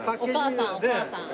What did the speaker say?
お母さんお母さん。